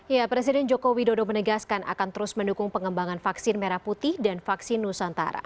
ya presiden joko widodo menegaskan akan terus mendukung pengembangan vaksin merah putih dan vaksin nusantara